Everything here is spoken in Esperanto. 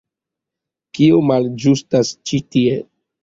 Kio malĝustas ĉi tie?